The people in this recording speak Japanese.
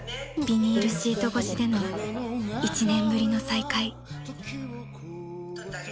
［ビニールシート越しでの１年ぶりの再会］